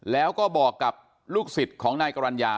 แล้วก็บอกกับลูกศิษย์ของนายกรรณญา